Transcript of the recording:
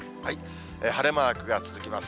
晴れマークが続きます。